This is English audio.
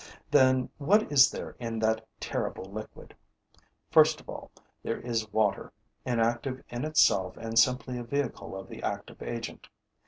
Then what is there in that terrible liquid? First of all, there is water, inactive in itself and simply a vehicle of the active agent.